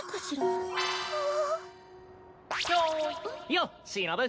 よっしのぶ！